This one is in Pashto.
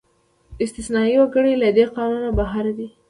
استثنايي وګړي له دې قانونه بهر دي.